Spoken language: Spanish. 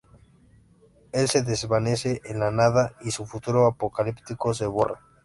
Él se desvanece en la nada, y su futuro apocalíptico se borra.